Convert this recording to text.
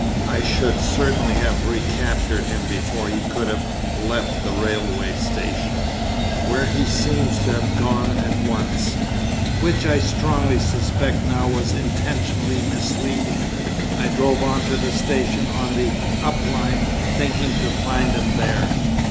"I should certainly have recaptured him before he could have left the railway station, where he seems to have gone at once, only, acting on information (which I strongly suspect now was intentionally misleading), I drove on to the station on the up line, thinking to find him there.